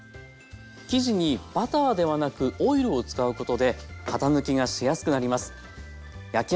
生地にバターではなくオイルを使うことで型抜きがしやすくなります。